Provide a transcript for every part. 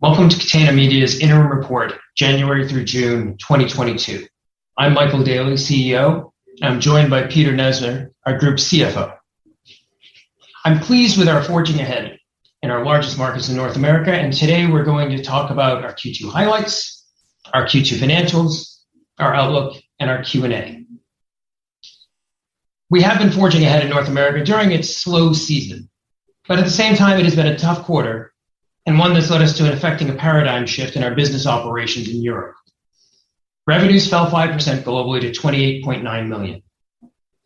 Welcome to Catena Media's interim report, January through June 2022. I'm Michael Daly, CEO, and I'm joined by Peter Messner, our Group CFO. I'm pleased with our forging ahead in our largest markets in North America, and today we're going to talk about our Q2 highlights, our Q2 financials, our outlook, and our Q&A. We have been forging ahead in North America during its slow season, but at the same time, it has been a tough quarter and one that's led us to effecting a paradigm shift in our business operations in Europe. Revenues fell 5% globally to 28.9 million.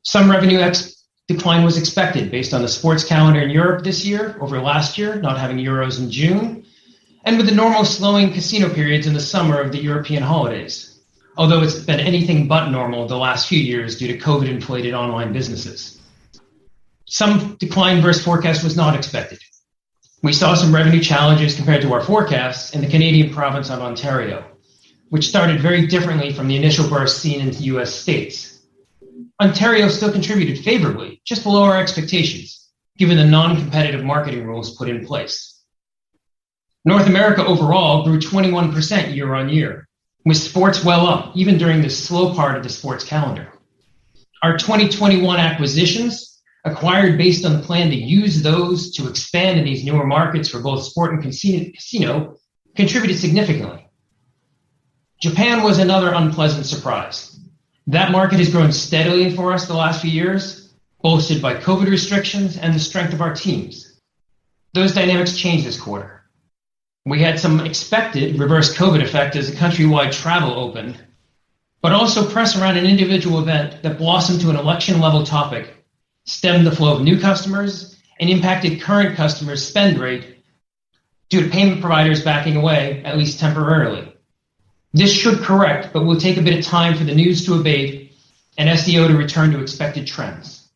Some revenue decline was expected based on the sports calendar in Europe this year over last year, not having Euros in June, and with the normal slowing casino periods in the summer of the European holidays. Although it's been anything but normal the last few years due to COVID-inflated online businesses. Some decline versus forecast was not expected. We saw some revenue challenges compared to our forecasts in the Canadian province of Ontario, which started very differently from the initial burst seen in the US states. Ontario still contributed favorably just below our expectations, given the non-competitive marketing rules put in place. North America overall grew 21% year-on-year, with sports well up even during the slow part of the sports calendar. Our 2021 acquisitions acquired based on the plan to use those to expand in these newer markets for both sport and casino contributed significantly. Japan was another unpleasant surprise. That market has grown steadily for us the last few years, bolstered by COVID restrictions and the strength of our teams. Those dynamics changed this quarter. We had some expected reverse COVID effect as the country-wide travel opened, but also press around an individual event that blossomed to an election-level topic stemmed the flow of new customers and impacted current customers' spend rate due to payment providers backing away at least temporarily. This should correct, but will take a bit of time for the news to abate and SEO to return to expected trends.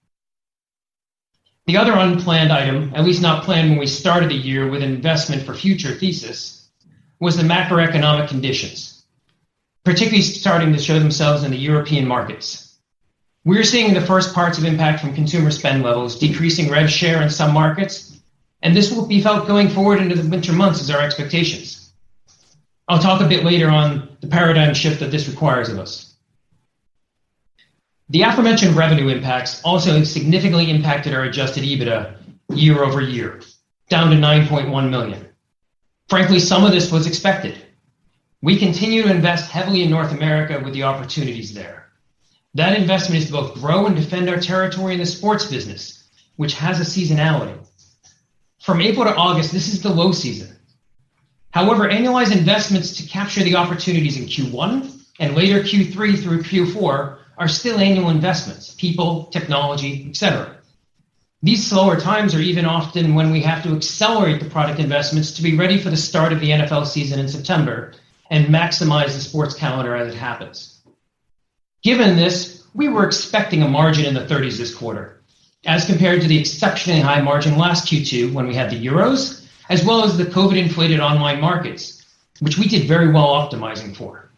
The other unplanned item, at least not planned when we started the year with an investment for future thesis, was the macroeconomic conditions, particularly starting to show themselves in the European markets. We're seeing the first parts of impact from consumer spend levels, decreasing rev share in some markets, and this will be felt going forward into the winter months as our expectations. I'll talk a bit later on the paradigm shift that this requires of us. The aforementioned revenue impacts also significantly impacted our adjusted EBITDA year-over-year, down to 9.1 million. Frankly, some of this was expected. We continue to invest heavily in North America with the opportunities there. That investment is to both grow and defend our territory in the sports business, which has a seasonality. From April to August, this is the low season. However, annualized investments to capture the opportunities in Q1 and later Q3 through Q4 are still annual investments, people, technology, etc. These slower times are even often when we have to accelerate the product investments to be ready for the start of the NFL season in September and maximize the sports calendar as it happens. Given this, we were expecting a margin in the 30s this quarter as compared to the exceptionally high margin last Q2 when we had the Euros, as well as the COVID-inflated online markets, which we did very well optimizing for.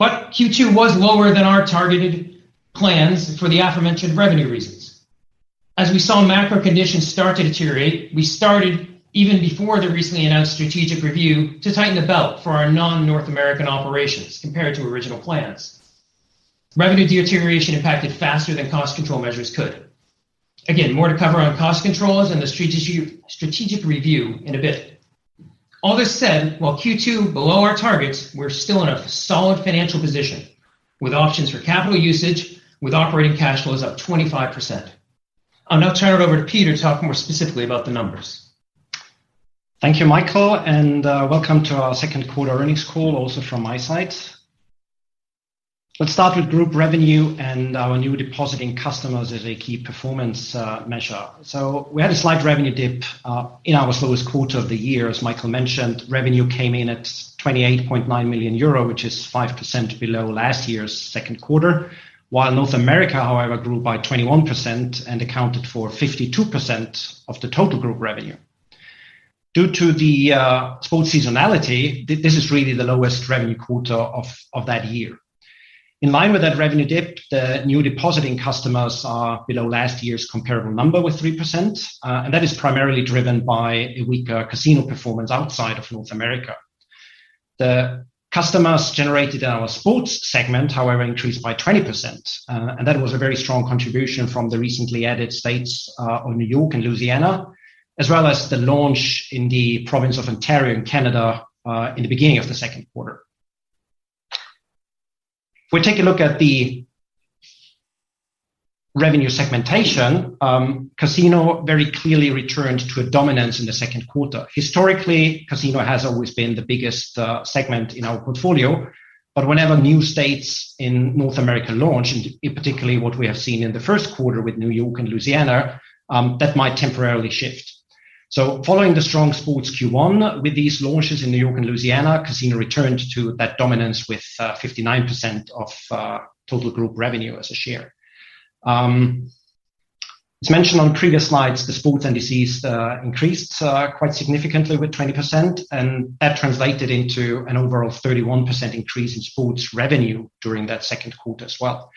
Q2 was lower than our targeted plans for the aforementioned revenue reasons. As we saw macro conditions start to deteriorate, we started even before the recently announced strategic review to tighten the belt for our non-North American operations compared to original plans. Revenue deterioration impacted faster than cost control measures could. Again, more to cover on cost controls and the strategic review in a bit. All this said, while Q2 below our targets, we're still in a solid financial position with options for capital usage with operating cash flows up 25%. I'll now turn it over to Peter to talk more specifically about the numbers. Thank you, Michael, and welcome to our second quarter earnings call also from my side. Let's start with group revenue and our new depositing customers as a key performance measure. We had a slight revenue dip in our slowest quarter of the year, as Michael mentioned. Revenue came in at 28.9 million euro, which is 5% below last year's second quarter. While North America, however, grew by 21% and accounted for 52% of the total group revenue. Due to the sports seasonality, this is really the lowest revenue quarter of that year. In line with that revenue dip, the new depositing customers are below last year's comparable number with 3%, and that is primarily driven by a weaker casino performance outside of North America. The customers generated in our sports segment, however, increased by 20%, and that was a very strong contribution from the recently added states of New York and Louisiana, as well as the launch in the province of Ontario in Canada in the beginning of the second quarter. If we take a look at the revenue segmentation, casino very clearly returned to a dominance in the second quarter. Historically, casino has always been the biggest segment in our portfolio. Whenever new states in North America launch, in particular what we have seen in the first quarter with New York and Louisiana, that might temporarily shift. Following the strong sports Q1 with these launches in New York and Louisiana, casino returned to that dominance with 59% of total group revenue as a share. As mentioned on previous slides, the sports NDCs increased quite significantly with 20%, and that translated into an overall 31% increase in sports revenue during that second quarter as well.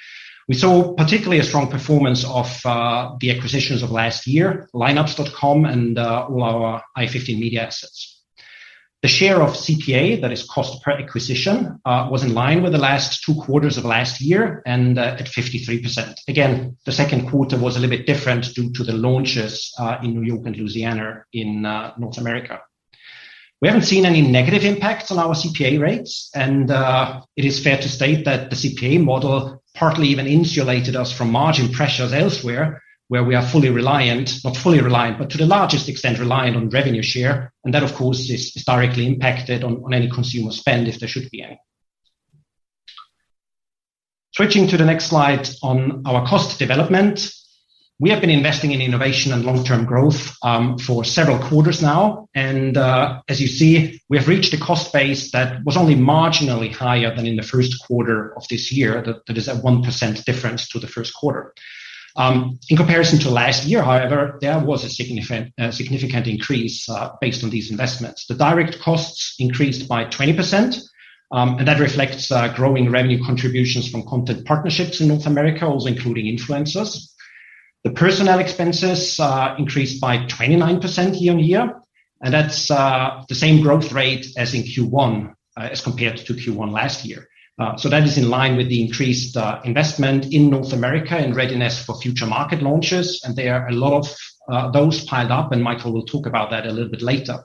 We saw particularly a strong performance of the acquisitions of last year, Lineups.com and all our i15Media assets. The share of CPA, that is cost per acquisition, was in line with the last two quarters of last year and at 53%. Again, the second quarter was a little bit different due to the launches in New York and Louisiana in North America. We haven't seen any negative impacts on our CPA rates, and it is fair to state that the CPA model partly even insulated us from margin pressures elsewhere, where we are fully reliant, not fully reliant, but to the largest extent reliant on revenue share. That, of course, is historically impacted on any consumer spend if there should be any. Switching to the next slide on our cost development. We have been investing in innovation and long-term growth for several quarters now. As you see, we have reached a cost base that was only marginally higher than in the first quarter of this year. That is a 1% difference to the first quarter. In comparison to last year, however, there was a significant increase based on these investments. The direct costs increased by 20%, and that reflects growing revenue contributions from content partnerships in North America, also including influencers. The personnel expenses increased by 29% year-on-year, and that's the same growth rate as in Q1 as compared to Q1 last year. That is in line with the increased investment in North America and readiness for future market launches. There are a lot of those piled up, and Michael will talk about that a little bit later.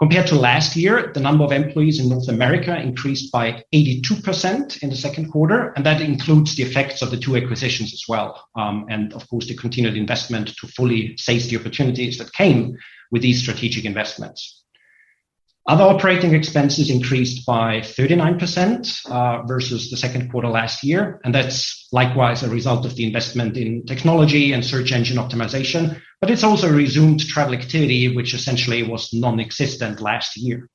Compared to last year, the number of employees in North America increased by 82% in the second quarter, and that includes the effects of the two acquisitions as well. Of course, the continued investment to fully seize the opportunities that came with these strategic investments. Other operating expenses increased by 39%, versus the second quarter last year, and that's likewise a result of the investment in technology and search engine optimization, but it's also resumed travel activity, which essentially was non-existent last year.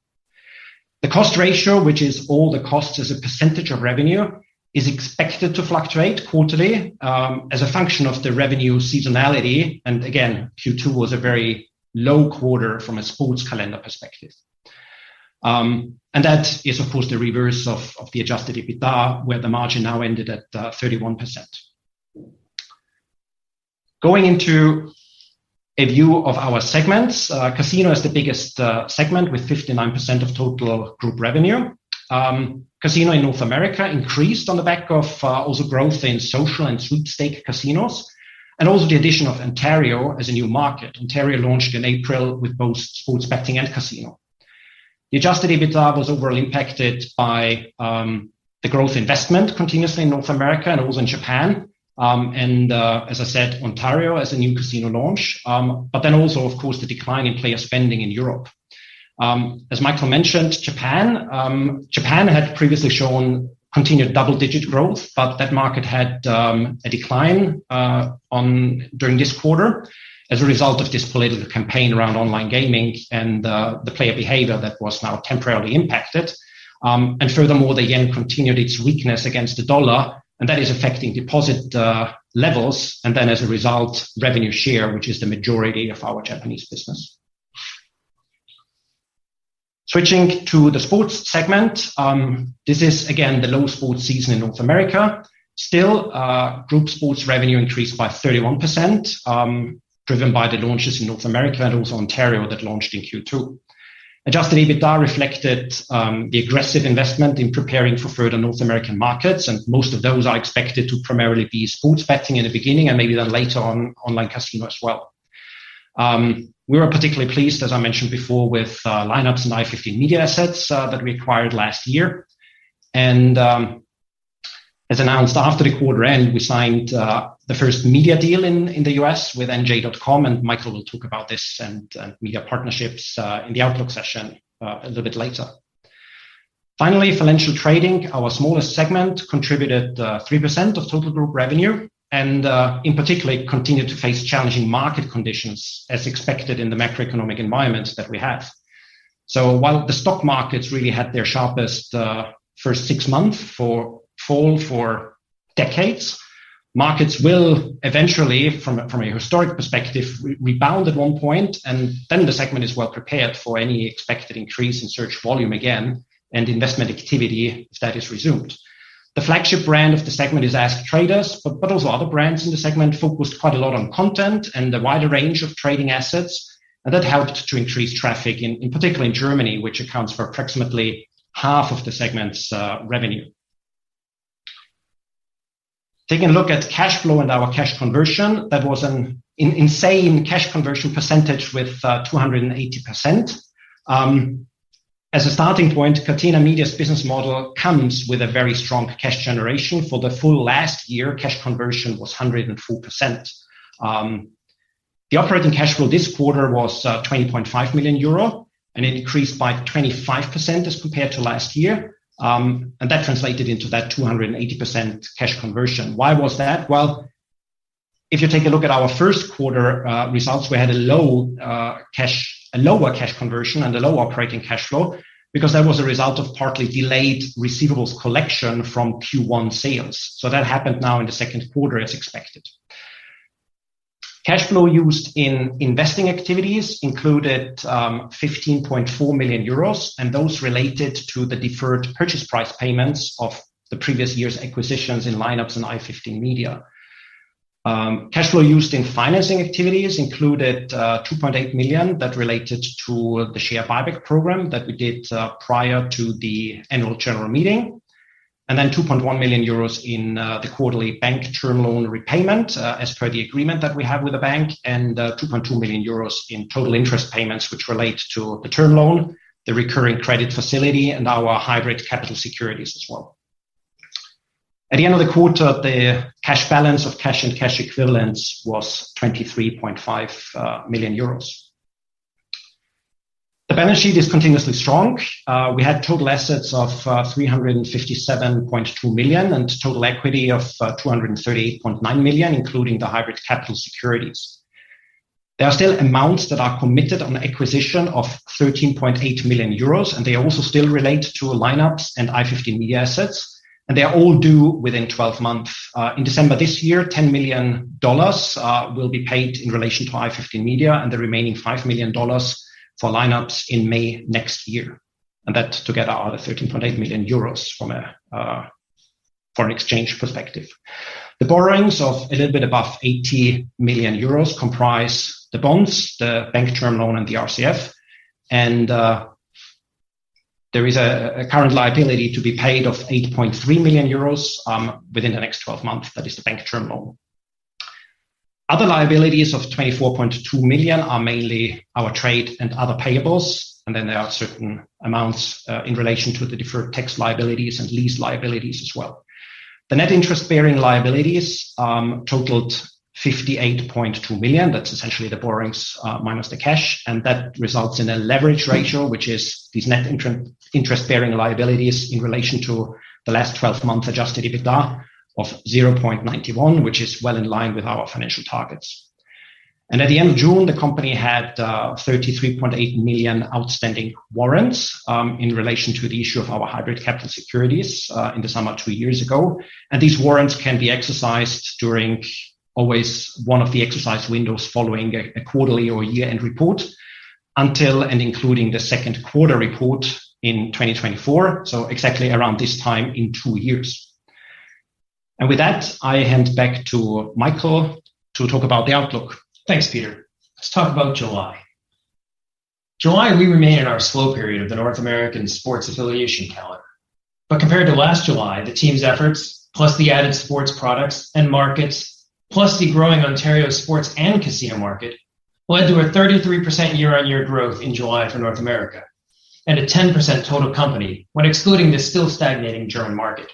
The cost ratio, which is all the costs as a percentage of revenue, is expected to fluctuate quarterly, as a function of the revenue seasonality. Again, Q2 was a very low quarter from a sports calendar perspective. That is of course the reverse of the adjusted EBITDA, where the margin now ended at 31%. Going into a view of our segments. Casino is the biggest segment with 59% of total group revenue. Casino in North America increased on the back of also growth in social and sweepstakes casinos, and also the addition of Ontario as a new market. Ontario launched in April with both sports betting and casino. The adjusted EBITDA was overall impacted by the growth investment continuously in North America and also in Japan. As I said, Ontario as a new casino launch. Also, of course, the decline in player spending in Europe. As Michael mentioned, Japan had previously shown continued double-digit growth, but that market had a decline during this quarter as a result of this political campaign around online gaming and the player behavior that was now temporarily impacted. Furthermore, the yen continued its weakness against the dollar, and that is affecting deposit levels, and then as a result, revenue share, which is the majority of our Japanese business. Switching to the sports segment. This is again the low sports season in North America. Still, group sports revenue increased by 31%, driven by the launches in North America and also Ontario that launched in Q2. Adjusted EBITDA reflected the aggressive investment in preparing for further North American markets, and most of those are expected to primarily be sports betting in the beginning and maybe then later on online casino as well. We were particularly pleased, as I mentioned before, with Lineups.com and i15Media assets that we acquired last year. As announced after the quarter end, we signed the first media deal in the U.S. with NJ.com, and Michael will talk about this and media partnerships in the outlook session a little bit later. Finally, financial trading, our smallest segment, contributed 3% of total group revenue and, in particular, continued to face challenging market conditions as expected in the macroeconomic environment that we have. While the stock markets really had their sharpest first six-month fall for decades, markets will eventually, from a historic perspective, rebound at one point, and then the segment is well prepared for any expected increase in search volume again and investment activity if that is resumed. The flagship brand of the segment is AskTraders, but also other brands in the segment focused quite a lot on content and a wider range of trading assets, and that helped to increase traffic in particular in Germany, which accounts for approximately half of the segment's revenue. Taking a look at cash flow and our cash conversion, that was an insane cash conversion percentage with 280%. As a starting point, Catena Media's business model comes with a very strong cash generation. For the full last year, cash conversion was 104%. The operating cash flow this quarter was 20.5 million euro, and it increased by 25% as compared to last year. That translated into 280% cash conversion. Why was that? Well, if you take a look at our first quarter results, we had a lower cash conversion and a lower operating cash flow because that was a result of partly delayed receivables collection from Q1 sales. That happened now in the second quarter as expected. Cash flow used in investing activities included 15.4 million euros, and those related to the deferred purchase price payments of the previous year's acquisitions in Lineups and i15Media. Cash flow used in financing activities included 2.8 million that related to the share buyback program that we did prior to the annual general meeting, and then 2.1 million euros in the quarterly bank term loan repayment as per the agreement that we have with the bank, and 2.2 million euros in total interest payments which relate to the term loan, the revolving credit facility, and our hybrid capital securities as well. At the end of the quarter, the cash balance of cash and cash equivalents was 23.5 million euros. The balance sheet is continuously strong. We had total assets of 357.2 million, and total equity of 238.9 million, including the hybrid capital securities. There are still amounts that are committed on the acquisition of 13.8 million euros, and they also still relate to Lineups and i15Media assets, and they are all due within 12 months. In December this year, $10 million will be paid in relation to i15Media, and the remaining $5 million for Lineups in May next year. That together are the 13.8 million euros from a foreign exchange perspective. The borrowings of a little bit above 80 million euros comprise the bonds, the bank term loan, and the RCF. There is a current liability to be paid of 80.3 million euros within the next 12 months. That is the bank term loan. Other liabilities of 24.2 million are mainly our trade and other payables, and then there are certain amounts in relation to the deferred tax liabilities and lease liabilities as well. The net interest-bearing liabilities totaled 58.2 million. That's essentially the borrowings minus the cash, and that results in a leverage ratio, which is these net interest-bearing liabilities in relation to the last 12 months adjusted EBITDA of 0.91, which is well in line with our financial targets. At the end of June, the company had 33.8 million outstanding warrants in relation to the issue of our hybrid capital securities in the summer two years ago. These warrants can be exercised during always one of the exercise windows following a quarterly or year-end report until and including the second quarter report in 2024, so exactly around this time in two years. With that, I hand back to Michael to talk about the outlook. Thanks, Peter. Let's talk about July. July, we remain in our slow period of the North American sports affiliation calendar. Compared to last July, the team's efforts, plus the added sports products and markets, plus the growing Ontario sports and casino market, led to a 33% year-on-year growth in July for North America, and a 10% total company when excluding the still stagnating German market.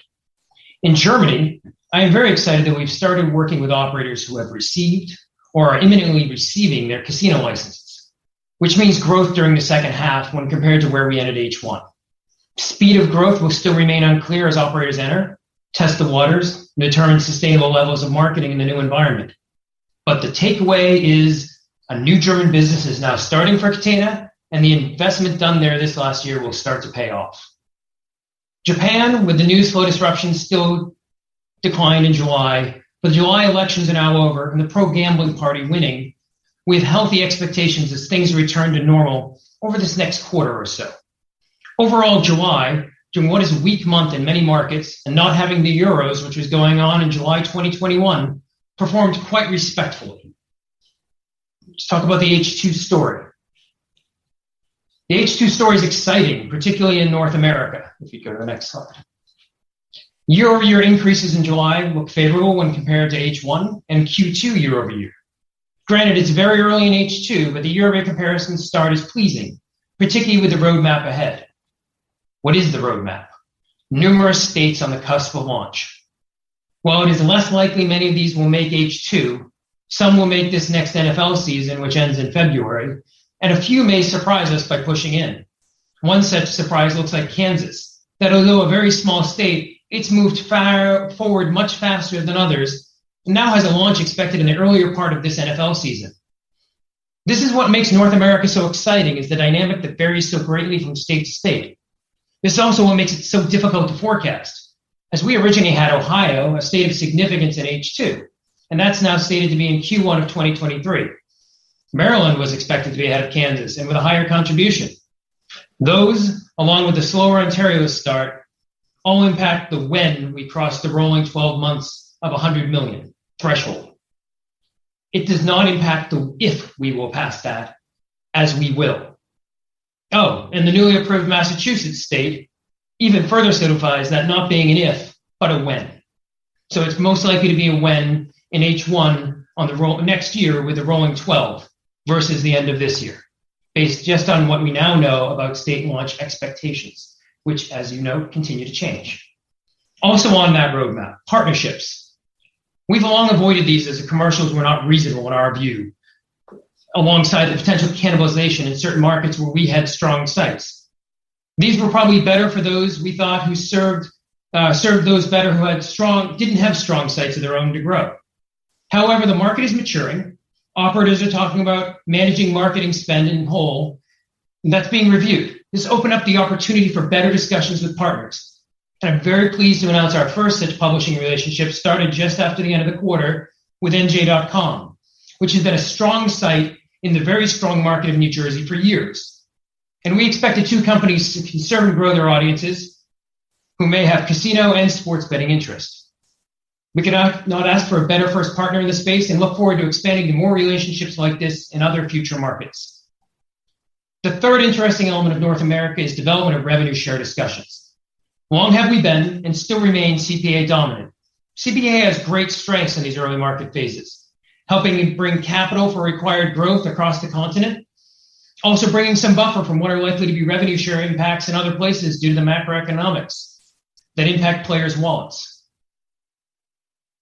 In Germany, I am very excited that we've started working with operators who have received or are imminently receiving their casino licenses, which means growth during the second half when compared to where we ended H1. Speed of growth will still remain unclear as operators enter, test the waters, and determine sustainable levels of marketing in the new environment. The takeaway is a new German business is now starting for Catena, and the investment done there this last year will start to pay off. Japan, with the news flow disruption, still declined in July. With the July elections now over and the pro-gambling party winning, we have healthy expectations as things return to normal over this next quarter or so. Overall, July, during what is a weak month in many markets and not having the Euros, which was going on in July 2021, performed quite respectably. Let's talk about the H2 story. The H2 story is exciting, particularly in North America. If you go to the next slide. Year-over-year increases in July look favorable when compared to H1 and Q2 year-over-year. Granted, it's very early in H2, but the year-over-year comparisons start as pleasing, particularly with the roadmap ahead. What is the roadmap? Numerous states on the cusp of launch. While it is less likely many of these will make H2, some will make this next NFL season, which ends in February, and a few may surprise us by pushing in. One such surprise looks like Kansas. That, although a very small state, it's moved far forward much faster than others, and now has a launch expected in the earlier part of this NFL season. This is what makes North America so exciting, is the dynamic that varies so greatly from state to state. It's also what makes it so difficult to forecast. As we originally had Ohio, a state of significance in H2, and that's now stated to be in Q1 of 2023. Maryland was expected to be ahead of Kansas and with a higher contribution. Those, along with the slower Ontario start, all impact the when we cross the rolling 12 months of 100 million threshold. It does not impact the if we will pass that, as we will. Oh, and the newly approved Massachusetts state even further solidifies that not being an if, but a when. It's most likely to be a when in H1 on the roll next year with the rolling 12 versus the end of this year, based just on what we now know about state launch expectations, which as you know, continue to change. Also on that roadmap, partnerships. We've long avoided these as the commercials were not reasonable in our view, alongside the potential cannibalization in certain markets where we had strong sites. These were probably better for those we thought who served those better who didn't have strong sites of their own to grow. However, the market is maturing. Operators are talking about managing marketing spend as a whole, and that's being reviewed. This opened up the opportunity for better discussions with partners. I'm very pleased to announce our first such publishing relationship started just after the end of the quarter with NJ.com, which has been a strong site in the very strong market of New Jersey for years. We expect the two companies to cross-serve and grow their audiences who may have casino and sports betting interests. We could not ask for a better first partner in the space and look forward to expanding to more relationships like this in other future markets. The third interesting element of North America is development of revenue share discussions. Long have we been and still remain CPA dominant. CPA has great strengths in these early market phases, helping bring capital for required growth across the continent. Also bringing some buffer from what are likely to be revenue share impacts in other places due to the macroeconomics that impact players' wallets.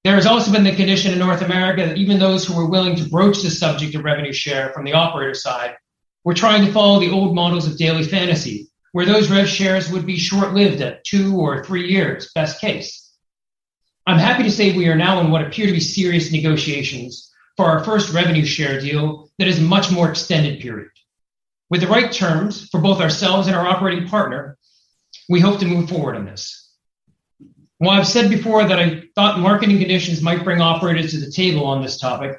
There has also been the condition in North America that even those who are willing to broach the subject of revenue share from the operator side were trying to follow the old models of Daily Fantasy, where those rev shares would be short-lived at two or three years, best case. I'm happy to say we are now in what appear to be serious negotiations for our first revenue share deal that is much more extended period. With the right terms for both ourselves and our operating partner, we hope to move forward on this. While I've said before that I thought marketing conditions might bring operators to the table on this topic,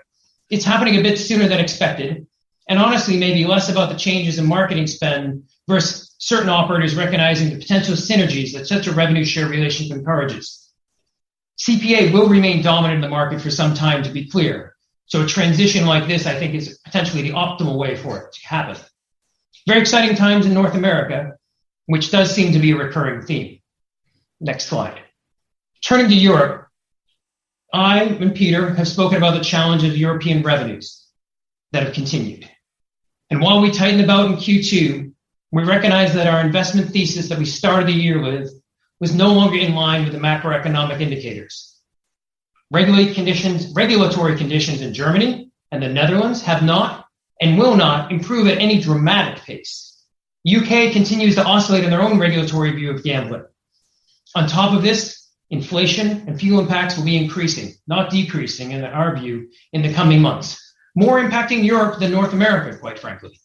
it's happening a bit sooner than expected and honestly may be less about the changes in marketing spend versus certain operators recognizing the potential synergies that such a revenue share relationship encourages. CPA will remain dominant in the market for some time, to be clear. So a transition like this, I think, is potentially the optimal way for it to happen. Very exciting times in North America, which does seem to be a recurring theme. Next slide. Turning to Europe, I and Peter have spoken about the challenge of European revenues that have continued. While we tightened the belt in Q2, we recognized that our investment thesis that we started the year with was no longer in line with the macroeconomic indicators. Regulatory conditions in Germany and the Netherlands have not and will not improve at any dramatic pace. U.K. continues to oscillate in their own regulatory view of gambling. On top of this, inflation and fuel impacts will be increasing, not decreasing, in our view, in the coming months. More impacting Europe than North America, quite frankly.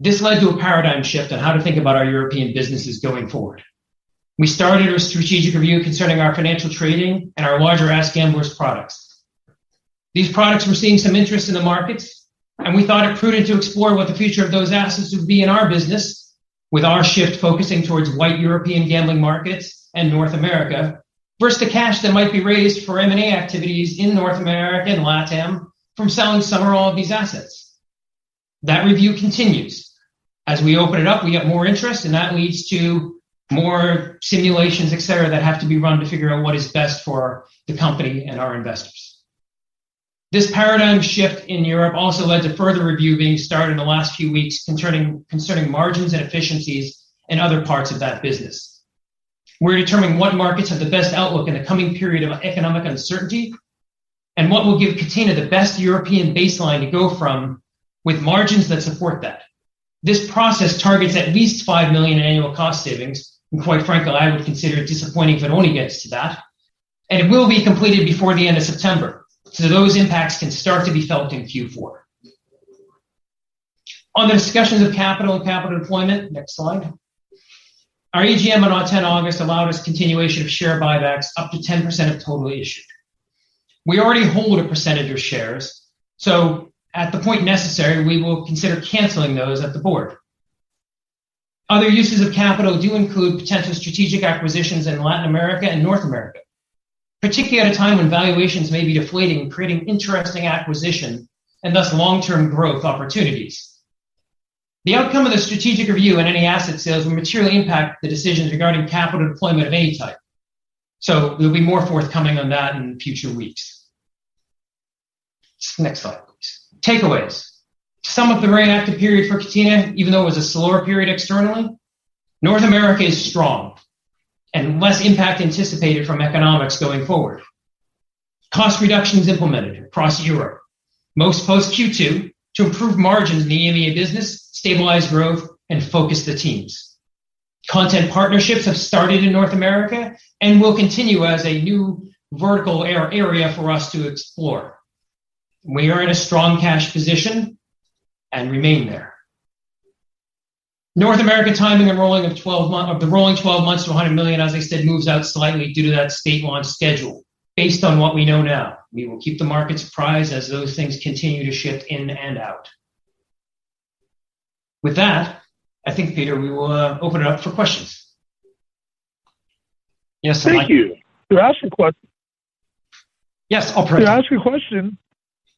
This led to a paradigm shift on how to think about our European businesses going forward. We started a strategic review concerning our financial trading and our larger AskGamblers products. These products were seeing some interest in the markets, and we thought it prudent to explore what the future of those assets would be in our business with our shift focusing towards white European gambling markets and North America versus the cash that might be raised for M&A activities in North America and LATAM from selling some or all of these assets. That review continues. As we open it up, we get more interest, and that leads to more simulations, etc, that have to be run to figure out what is best for the company and our investors. This paradigm shift in Europe also led to further review being started in the last few weeks concerning margins and efficiencies in other parts of that business. We're determining what markets have the best outlook in the coming period of economic uncertainty and what will give Catena the best European baseline to go from with margins that support that. This process targets at least 5 million in annual cost savings, and quite frankly, I would consider it disappointing if it only gets to that. It will be completed before the end of September, so those impacts can start to be felt in Q4. On the discussions of capital and capital deployment, next slide. Our AGM on 10 August allowed us continuation of share buybacks up to 10% of total issue. We already hold a percentage of shares, so at the point necessary, we will consider canceling those at the board. Other uses of capital do include potential strategic acquisitions in Latin America and North America, particularly at a time when valuations may be deflating and creating interesting acquisition and thus long-term growth opportunities. The outcome of the strategic review and any asset sales will materially impact the decisions regarding capital deployment of any type. We'll be more forthcoming on that in future weeks. Next slide, please. Takeaways. Some of the very active period for Catena, even though it was a slower period externally. North America is strong and less impact anticipated from economics going forward. Cost reductions implemented across Europe, most post Q2 to improve margins in the EMEA business, stabilize growth, and focus the teams. Content partnerships have started in North America and will continue as a new vertical area for us to explore. We are in a strong cash position and remain there. North America timing and rolling of 12 months of the rolling 12 months to 100 million, as I said, moves out slightly due to that state launch schedule based on what we know now. We will keep the markets apprised as those things continue to shift in and out. With that, I think, Peter, we will open it up for questions. Yes. Thank you. Yes, operator. To ask a question.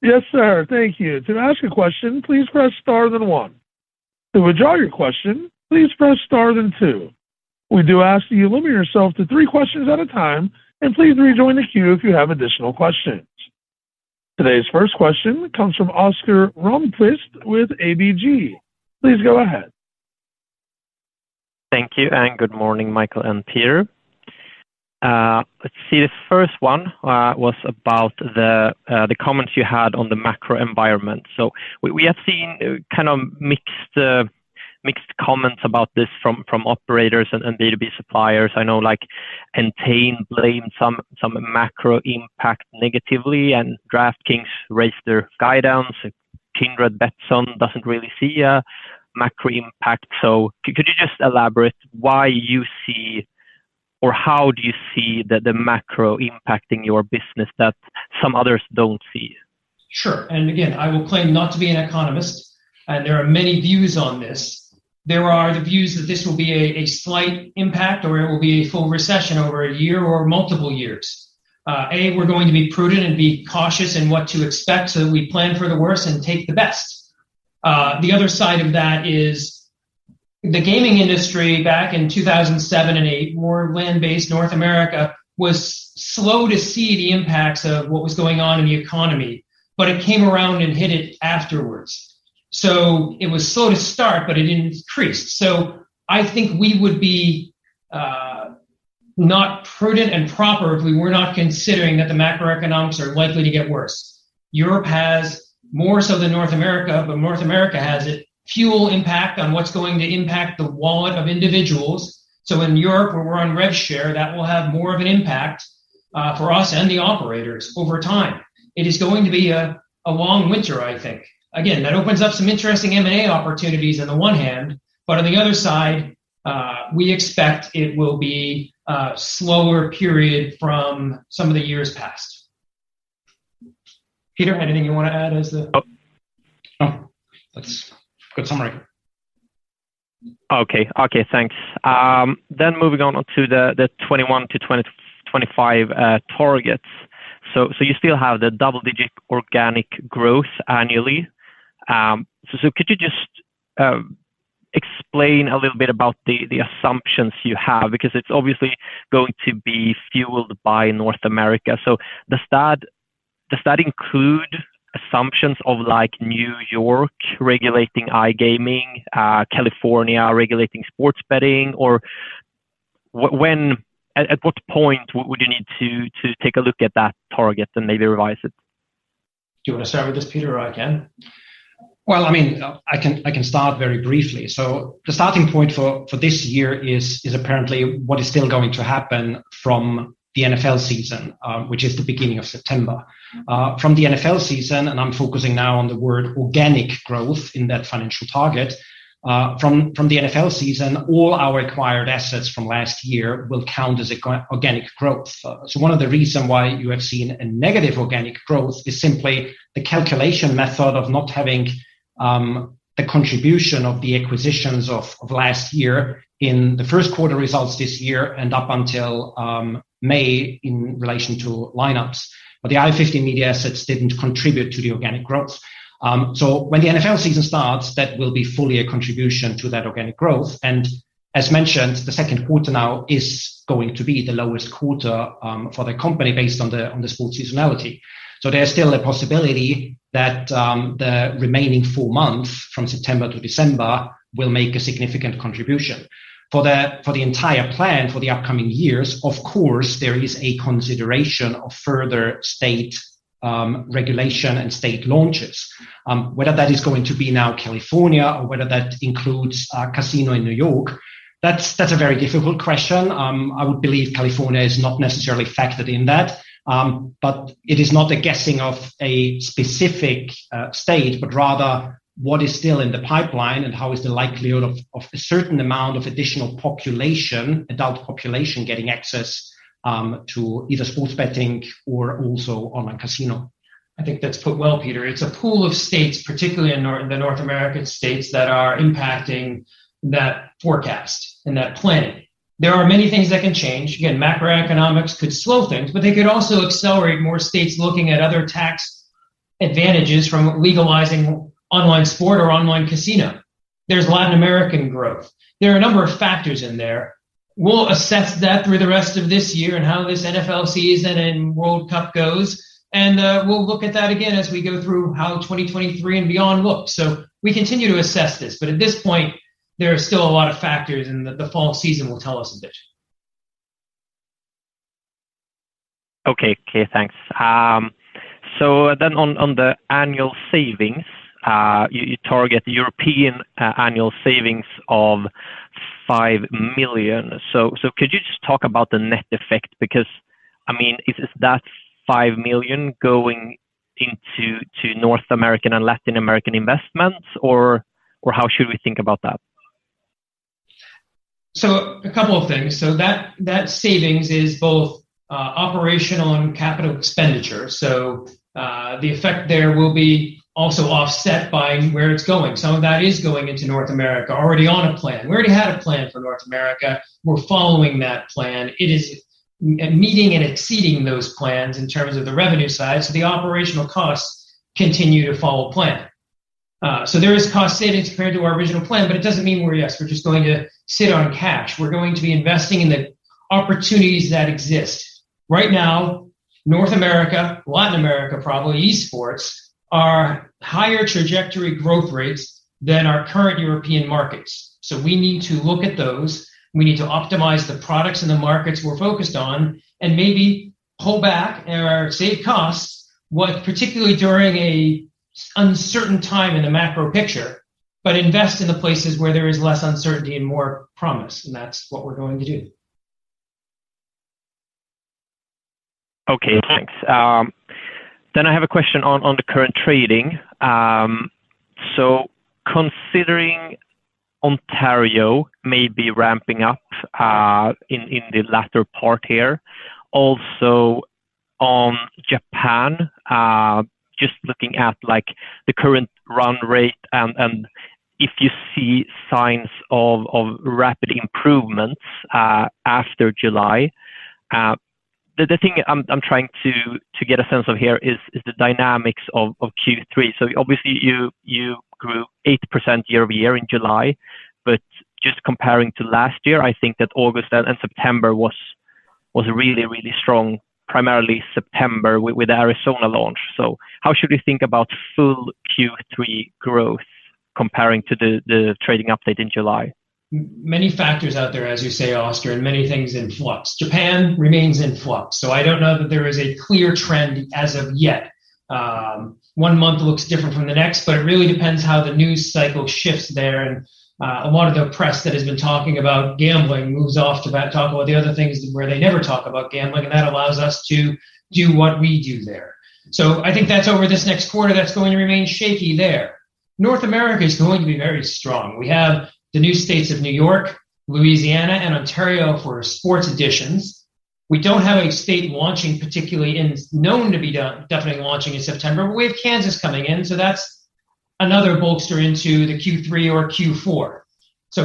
Yes, sir. Thank you. To ask a question, please press star then one. To withdraw your question, please press star then two. We do ask that you limit yourself to three questions at a time, and please rejoin the queue if you have additional questions. Today's first question comes from Oscar Rönnquist with ABG. Please go ahead. Thank you, and good morning, Michael and Peter. Let's see. The first one was about the comments you had on the macro environment. We have seen kind of mixed comments about this from operators and B2B suppliers. I know like Entain blamed some macro impact negatively, and DraftKings raised their guidance. Kindred, Betsson doesn't really see a macro impact. Could you just elaborate why you see or how do you see the macro impacting your business that some others don't see? Sure. Again, I will claim not to be an economist, and there are many views on this. There are the views that this will be a slight impact or it will be a full recession over a year or multiple years. We're going to be prudent and be cautious in what to expect, so we plan for the worst and take the best. The other side of that is the gaming industry back in 2007 and 2008, more land-based North America, was slow to see the impacts of what was going on in the economy, but it came around and hit it afterwards. It was slow to start, but it increased. I think we would be not prudent and proper if we were not considering that the macroeconomics are likely to get worse. Europe has more so than North America, but North America has it, full impact on what's going to impact the wallet of individuals. In Europe, where we're on rev share, that will have more of an impact for us and the operators over time. It is going to be a long winter, I think. Again, that opens up some interesting M&A opportunities on the one hand, but on the other side, we expect it will be a slower period from some of the years past. Peter, anything you want to add as the. Oh. Oh. That's good summary. Thanks. Moving on to the 2021-2025 targets. You still have the double-digit organic growth annually. Could you just explain a little bit about the assumptions you have? Because it's obviously going to be fueled by North America. Does that include assumptions of like New York regulating iGaming, California regulating sports betting? Or when at what point would you need to take a look at that target and maybe revise it? Do you want to start with this, Peter, or I can? Well, I mean, I can start very briefly. The starting point for this year is apparently what is still going to happen from the NFL season, which is the beginning of September. From the NFL season, I'm focusing now on the word organic growth in that financial target, from the NFL season, all our acquired assets from last year will count as organic growth. One of the reason why you have seen a negative organic growth is simply the calculation method of not having the contribution of the acquisitions of last year in the first quarter results this year and up until May in relation to Lineups. The i15Media assets didn't contribute to the organic growth. When the NFL season starts, that will be fully a contribution to that organic growth. As mentioned, the second quarter now is going to be the lowest quarter for the company based on the sports seasonality. There's still a possibility that the remaining four months from September to December will make a significant contribution. For the entire plan for the upcoming years, of course, there is a consideration of further state regulation and state launches. Whether that is going to be now California or whether that includes a casino in New York, that's a very difficult question. I would believe California is not necessarily factored in that. It is not a guessing of a specific state, but rather what is still in the pipeline and how is the likelihood of a certain amount of additional population, adult population getting access to either sports betting or also online casino. I think that's put well, Peter. It's a pool of states, particularly the North American states, that are impacting that forecast and that planning. There are many things that can change. Again, macroeconomics could slow things, but they could also accelerate more states looking at other tax advantages from legalizing online sport or online casino. There's Latin American growth. There are a number of factors in there. We'll assess that through the rest of this year and how this NFL season and World Cup goes. We'll look at that again as we go through how 2023 and beyond looks. We continue to assess this, but at this point, there are still a lot of factors, and the fall season will tell us a bit. Okay. Thanks. On the annual savings, you target the European annual savings of 5 million. Could you just talk about the net effect? Because, I mean, is that 5 million going into North American and Latin American investments or how should we think about that? A couple of things. That savings is both operational and capital expenditure. The effect there will be also offset by where it's going. Some of that is going into North America already on a plan. We already had a plan for North America. We're following that plan. It is meeting and exceeding those plans in terms of the revenue side. The operational costs continue to follow plan. There is cost savings compared to our original plan, but it doesn't mean we're, "Yes, we're just going to sit on cash." We're going to be investing in the opportunities that exist. Right now, North America, Latin America, probably esports, are higher trajectory growth rates than our current European markets. We need to look at those. We need to optimize the products and the markets we're focused on and maybe pull back or save costs, particularly during an uncertain time in the macro picture, but invest in the places where there is less uncertainty and more promise. That's what we're going to do. Okay, thanks. Then I have a question on the current trading. Considering Ontario may be ramping up in the latter part here, also on Japan, just looking at, like, the current run rate and if you see signs of rapid improvements after July. The thing I'm trying to get a sense of here is the dynamics of Q3. Obviously you grew 8% year-over-year in July, but just comparing to last year, I think that August and September was really strong, primarily September with the Arizona launch. How should we think about full Q3 growth comparing to the trading update in July? Many factors out there, as you say, Oscar, and many things in flux. Japan remains in flux, so I don't know that there is a clear trend as of yet. One month looks different from the next, but it really depends how the news cycle shifts there and a lot of the press that has been talking about gambling moves off to talk about the other things where they never talk about gambling, and that allows us to do what we do there. I think that's over this next quarter that's going to remain shaky there. North America is going to be very strong. We have the new states of New York, Louisiana, and Ontario for sports betting. We don't have a state launching particularly and known to be definitely launching in September, but we have Kansas coming in, so that's another bolster into the Q3 or Q4.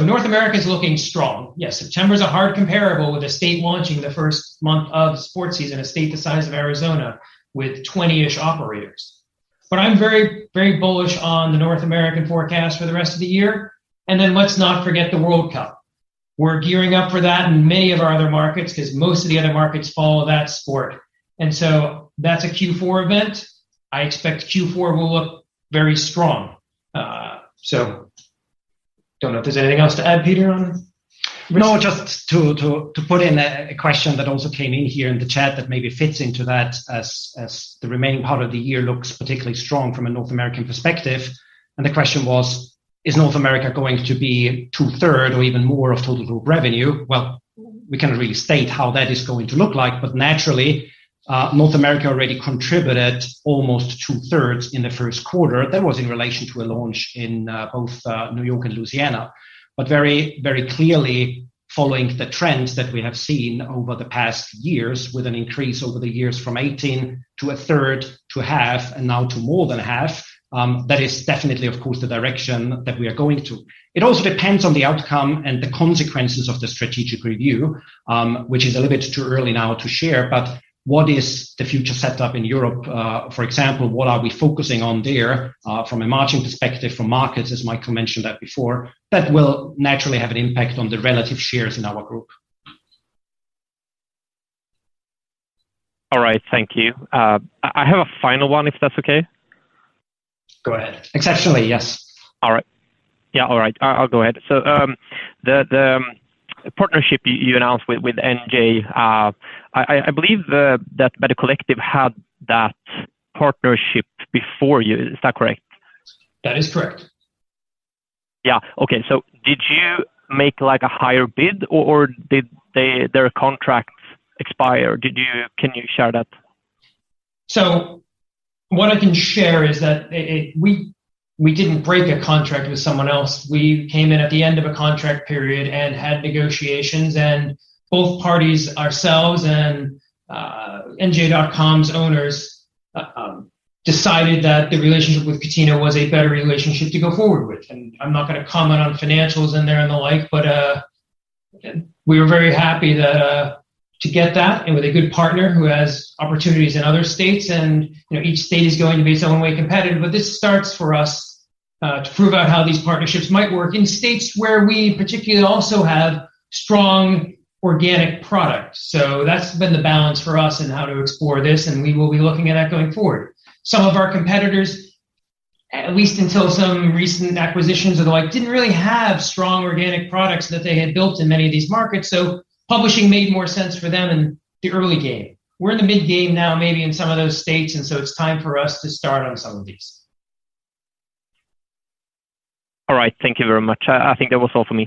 North America's looking strong. Yeah, September's a hard comparable with a state launching the first month of sports season, a state the size of Arizona with 20-ish operators. I'm very, very bullish on the North American forecast for the rest of the year. Let's not forget the World Cup. We're gearing up for that in many of our other markets 'cause most of the other markets follow that sport. That's a Q4 event. I expect Q4 will look very strong. Don't know if there's anything else to add, Peter, on risks? No, just to put in a question that also came in here in the chat that maybe fits into that as the remaining part of the year looks particularly strong from a North American perspective. The question was: Is North America going to be 2/3 or even more of total group revenue? Well, we cannot really state how that is going to look like, but naturally, North America already contributed almost 2/3 in the first quarter. That was in relation to a launch in both New York and Louisiana. Very clearly following the trends that we have seen over the past years with an increase over the years from 18% to 1/3 to 1/2 and now to more than 1/2, that is definitely of course the direction that we are going to. It also depends on the outcome and the consequences of the strategic review, which is a little bit too early now to share. What is the future set up in Europe? For example, what are we focusing on there, from a margin perspective, from markets, as Michael mentioned that before, that will naturally have an impact on the relative shares in our group. All right. Thank you. I have a final one if that's okay. Go ahead. Exceptional, yes. All right. Yeah, all right. I'll go ahead. The partnership you announced with NJ, I believe that Better Collective had that partnership before you. Is that correct? That is correct. Yeah. Okay. Did you make, like, a higher bid, or did they, their contract expire? Can you share that? What I can share is that we didn't break a contract with someone else. We came in at the end of a contract period and had negotiations, and both parties, ourselves and NJ.com's owners, decided that the relationship with Catena was a better relationship to go forward with. I'm not gonna comment on financials in there and the like, but we were very happy to get that and with a good partner who has opportunities in other states and, you know, each state is going to be its own way competitive. This starts for us to prove out how these partnerships might work in states where we particularly also have strong organic products. That's been the balance for us in how to explore this, and we will be looking at that going forward. Some of our competitors, at least until some recent acquisitions and the like, didn't really have strong organic products that they had built in many of these markets, so publishing made more sense for them in the early game. We're in the mid-game now, maybe in some of those states, and so it's time for us to start on some of these. All right. Thank you very much. I think that was all for me.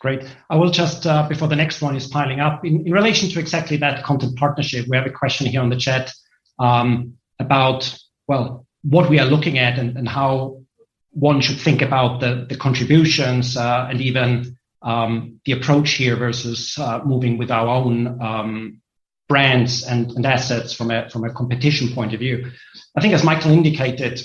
Great. I will just before the next one is piling up, in relation to exactly that content partnership, we have a question here on the chat about, well, what we are looking at and how one should think about the contributions and even the approach here versus moving with our own brands and assets from a competition point of view. I think as Michael indicated,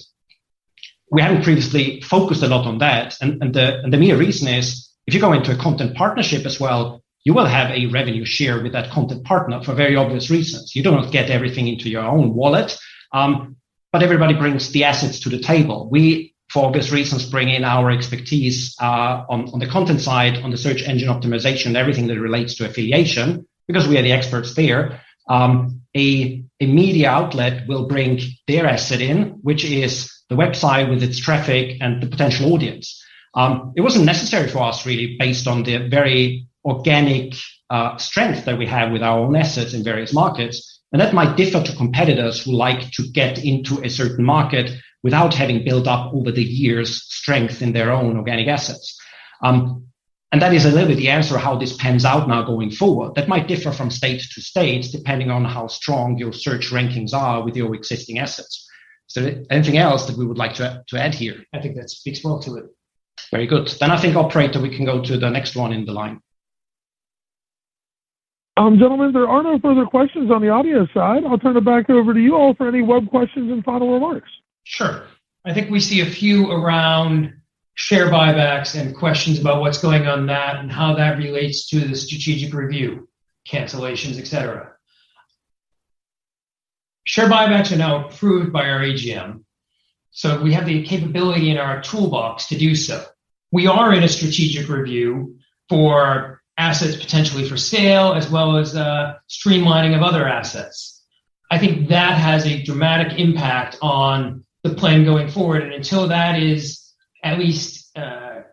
we haven't previously focused a lot on that. The mere reason is if you go into a content partnership as well, you will have a revenue share with that content partner for very obvious reasons. You don't get everything into your own wallet, but everybody brings the assets to the table. We, for obvious reasons, bring in our expertise on the content side, on the search engine optimization, everything that relates to affiliation because we are the experts there. A media outlet will bring their asset in, which is the website with its traffic and the potential audience. It wasn't necessary for us really based on the very organic strength that we have with our own assets in various markets, and that might differ to competitors who like to get into a certain market without having built up over the years strength in their own organic assets. That is a little bit the answer how this pans out now going forward. That might differ from state to state, depending on how strong your search rankings are with your existing assets. Is there anything else that we would like to add here? I think that speaks well to it. Very good. I think, operator, we can go to the next one in the line. Gentlemen, there are no further questions on the audio side. I'll turn it back over to you all for any web questions and final remarks. Sure. I think we see a few around share buybacks and questions about what's going on that and how that relates to the strategic review, cancellations, etc. Share buybacks are now approved by our AGM, so we have the capability in our toolbox to do so. We are in a strategic review for assets potentially for sale, as well as streamlining of other assets. I think that has a dramatic impact on the plan going forward, and until that is at least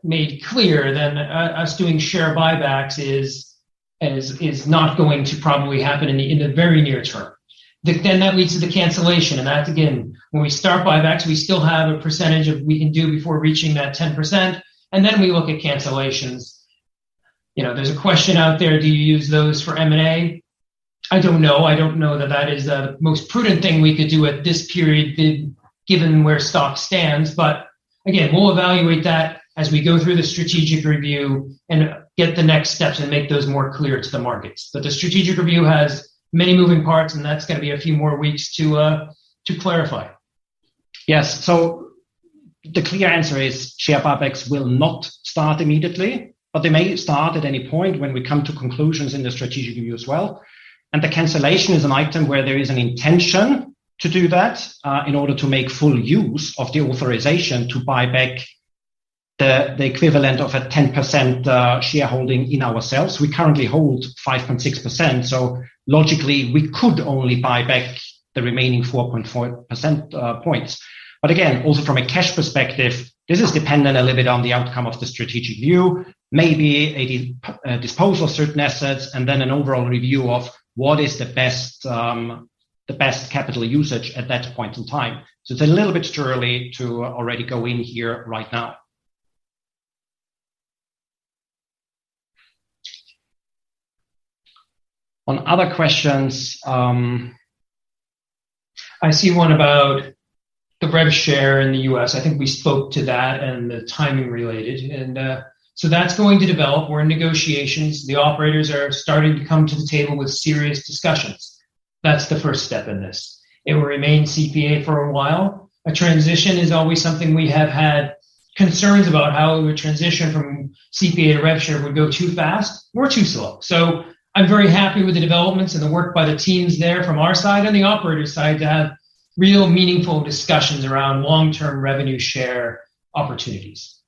made clear, then us doing share buybacks is not going to probably happen in the very near term. Then that leads to the cancellation, and that's again when we start buybacks, we still have a percentage of we can do before reaching that 10%, and then we look at cancellations. You know, there's a question out there, do you use those for M&A? I don't know. I don't know that that is the most prudent thing we could do at this period given where stock stands. Again, we'll evaluate that as we go through the strategic review and get the next steps and make those more clear to the markets. The strategic review has many moving parts, and that's gonna be a few more weeks to clarify. Yes. The clear answer is share buybacks will not start immediately, but they may start at any point when we come to conclusions in the strategic review as well. The cancellation is an item where there is an intention to do that, in order to make full use of the authorization to buy back the equivalent of a 10%, shareholding in ourselves. We currently hold 5.6%, so logically, we could only buy back the remaining 4.4 percentage points. Again, also from a cash perspective, this is dependent a little bit on the outcome of the strategic review, maybe a disposal of certain assets and then an overall review of what is the best, the best capital usage at that point in time. It's a little bit too early to already go in here right now. On other questions, I see one about the rev share in the US. I think we spoke to that and the timing related. That's going to develop. We're in negotiations. The operators are starting to come to the table with serious discussions. That's the first step in this. It will remain CPA for a while. A transition is always something we have had concerns about how we would transition from CPA to rev share would go too fast or too slow. I'm very happy with the developments and the work by the teams there from our side and the operator side to have real meaningful discussions around long-term revenue share opportunities.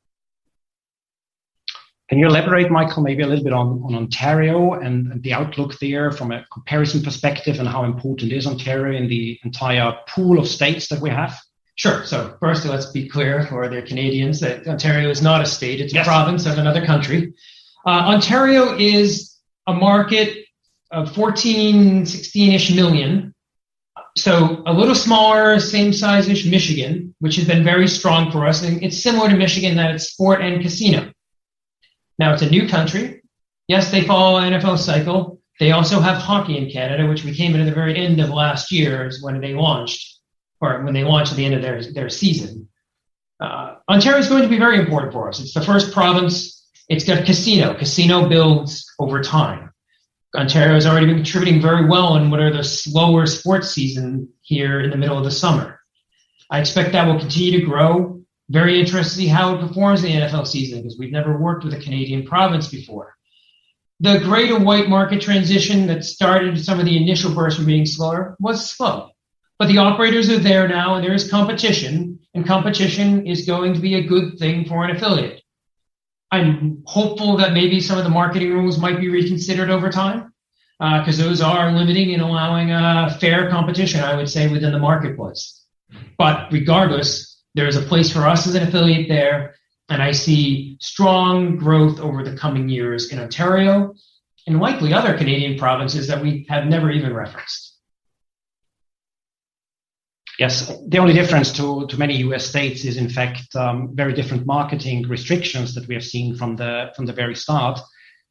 Can you elaborate, Michael, maybe a little bit on Ontario and the outlook there from a comparison perspective and how important is Ontario in the entire pool of states that we have? Sure. Firstly, let's be clear for other Canadians that Ontario is not a state. Yes. It's a province of another country. Ontario is a market of 14, 16-ish million, so a little smaller, same size-ish Michigan, which has been very strong for us. It's similar to Michigan that it's sport and casino. Now it's a new country. Yes, they follow NFL cycle. They also have hockey in Canada, which we came in at the very end of last year is when they launched, or when they launched at the end of their season. Ontario is going to be very important for us. It's the first province. It's got casino. Casino builds over time. Ontario has already been contributing very well in what are the slower sports season here in the middle of the summer. I expect that will continue to grow. Very interested to see how it performs in the NFL season because we've never worked with a Canadian province before. The greater wide market transition that started some of the initial bursts from being slower was slow, but the operators are there now, and there is competition, and competition is going to be a good thing for an affiliate. I'm hopeful that maybe some of the marketing rules might be reconsidered over time, 'cause those are limiting in allowing a fair competition, I would say, within the marketplace. Regardless, there is a place for us as an affiliate there, and I see strong growth over the coming years in Ontario and likely other Canadian provinces that we have never even referenced. Yes. The only difference to many U.S. states is in fact very different marketing restrictions that we have seen from the very start,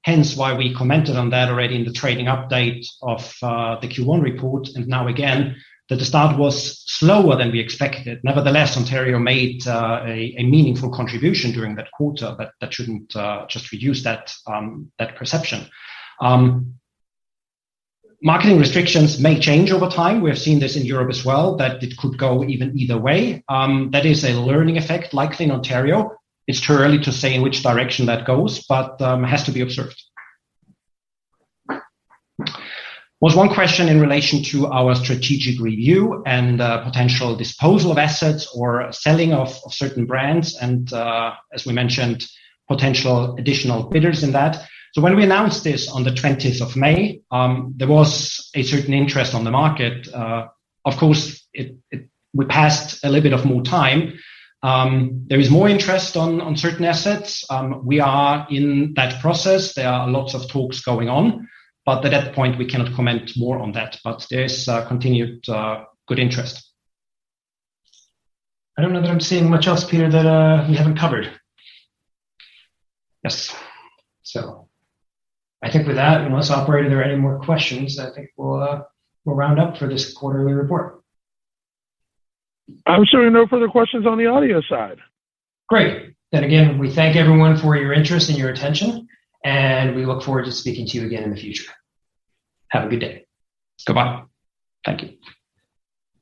hence why we commented on that already in the trading update of the Q1 report and now again, that the start was slower than we expected. Nevertheless, Ontario made a meaningful contribution during that quarter, but that shouldn't just reduce that perception. Marketing restrictions may change over time. We have seen this in Europe as well, that it could go even either way. That is a learning effect, likely in Ontario. It's too early to say in which direction that goes, but has to be observed. Was one question in relation to our strategic review and potential disposal of assets or selling off of certain brands and, as we mentioned, potential additional bidders in that. When we announced this on the 20th of May, there was a certain interest on the market. Of course, we passed a little bit more time. There is more interest on certain assets. We are in that process. There are lots of talks going on, but at that point we cannot comment more on that. There is continued good interest. I don't know that I'm seeing much else, Peter, that we haven't covered. Yes. I think with that, unless, operator, there are any more questions, I think we'll round up for this quarterly report. I'm showing no further questions on the audio side. Great. We thank everyone for your interest and your attention, and we look forward to speaking to you again in the future. Have a good day. Goodbye. Thank you.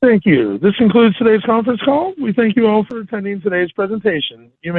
Thank you. This concludes today's conference call. We thank you all for attending today's presentation. You may.